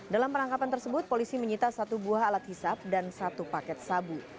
dalam perangkapan tersebut polisi menyita satu buah alat hisap dan satu paket sabu